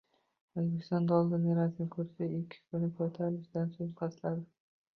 O‘zbekistonda dollarning rasmiy kursi ikki kunlik ko‘tarilishdan so‘ng pastladi